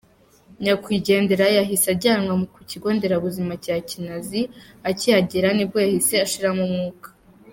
Nyakwigendera yahise ajyanwa ku kigo nderabuzima cya Kinazi akihagera nibwo yahise ashiramo umwuka.